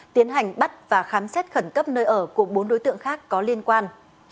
tiến hành bắt và khám xét khẩn cấp nơi ở của bốn đối tượng khác có liên quan